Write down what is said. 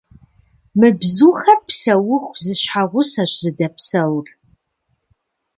Мы бзухэр псэуху зы щхьэгъусэщ зыдэпсэур.